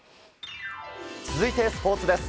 続いて、スポーツです。